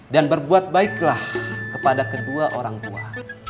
dan berbuat baiklah kepada kedua orang tua